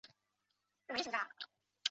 保桑尼阿斯曾对其有所记述。